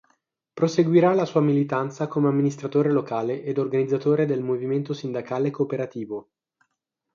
Proseguirà la sua militanza come amministratore locale ed organizzatore del movimento sindacale e cooperativo.